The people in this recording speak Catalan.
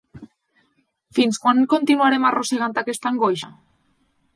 Fins quan continuarem arrossegant aquesta angoixa?